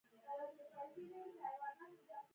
د سیند په بستر کې غټې او وړې ډبرې وې.